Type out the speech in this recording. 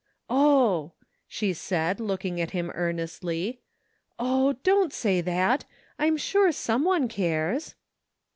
" Oh," she said, looking at him earnestly. " Oh, don't say that ! I'm sure some one cares."